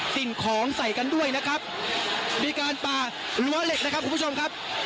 สิ่งของใส่กันด้วยนะครับมีการป่ารั้วเหล็กนะครับคุณผู้ชมครับ